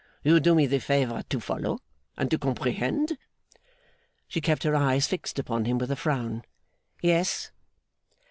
You do me the favour to follow, and to comprehend?' She kept her eyes fixed upon him with a frown. 'Yes.